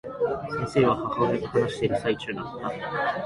先生は、母親と話している最中だった。